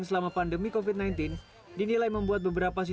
sama bapak menikbut terus ibu nda gubernur semua bupati